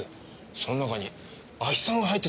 その中に亜ヒ酸が入ってたんだってさ。